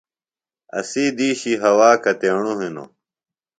اسی دِیشی ہوا کتیݨُوۡ ہِنوۡ؟